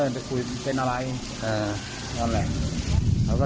ที่กระยองไอ้นี่แสดง